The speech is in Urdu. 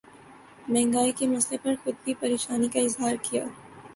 مہنگائی کے مسئلے پر خود بھی پریشانی کا اظہار کیا